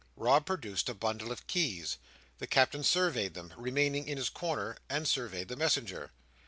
Rob produced a bundle of keys. The Captain surveyed them, remained in his corner, and surveyed the messenger.